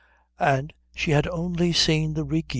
And she had only seen the Rigi.